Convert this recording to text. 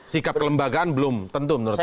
sikap kelembagaan belum tentu menurut anda